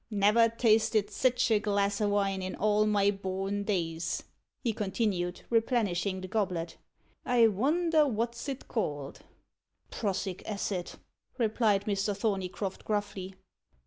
"Never tasted sich a glass o' wine in all my born days," he continued, replenishing the goblet: "I wonder wot it's called?" "Prussic acid," replied Mr. Thorneycroft gruffly.